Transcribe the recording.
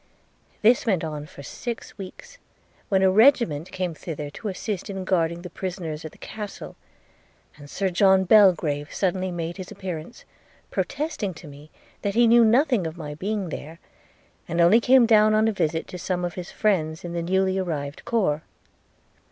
'This went on for six weeks, when a regiment came thither to assist in guarding the prisoners at the castle; and Sir John Belgrave suddenly made his appearance, protesting to me, that he knew nothing of my being there, and only came down on a visit to some of his friends in the newly arrived corps.